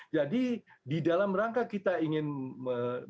jadi di dalam rangka kita ingin menangkap rusia